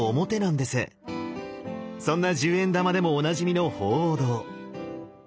そんな１０円玉でもおなじみの鳳凰堂。